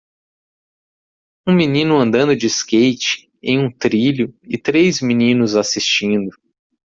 Um menino andando de skate em um trilho e três meninos assistindo.